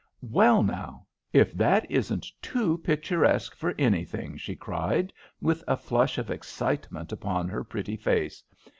"Well, now, if that isn't too picturesque for anything!" she cried, with a flush of excitement upon her pretty face.